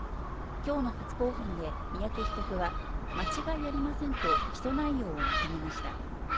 きょうの初公判で三宅被告は間違いありませんと、起訴内容を認めました。